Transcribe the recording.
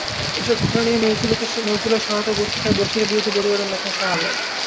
এসব ঘটনা নিয়ে নজরুলের সহায়তায় পত্রিকায় বশিরের বিরুদ্ধে প্রতিবেদন লেখেন শাহ আলম।